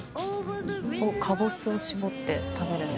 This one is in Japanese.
かぼすを搾って食べるんですけど。